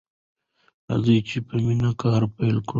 راځئ چې په مینه کار پیل کړو.